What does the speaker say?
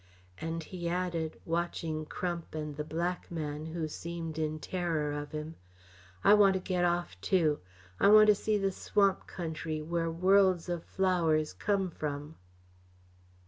And he added, watching Crump and the black man who seemed in terror of him: "I want to get off, too. I want to see the swamp country where worlds o' flowers come from!"